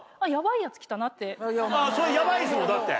ヤバいですもんだって。